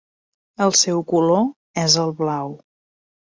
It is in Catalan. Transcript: El seu color és el blau.